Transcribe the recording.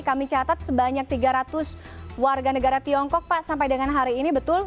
kami catat sebanyak tiga ratus warga negara tiongkok pak sampai dengan hari ini betul